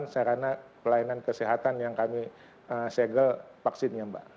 dua puluh delapan sarana pelayanan kesehatan yang kami segel vaksinnya mbak